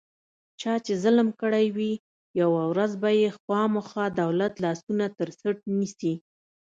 چا چې ظلم کړی وي، یوه ورځ به یې خوامخا دولت لاسونه ترڅټ نیسي.